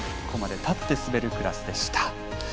ここまで立って滑るクラスでした。